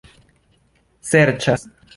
serĉas